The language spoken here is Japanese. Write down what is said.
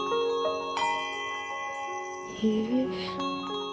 へえ。